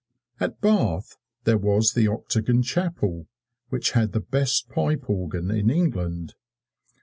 At Bath there was the Octagon Chapel, which had the best pipe organ in England.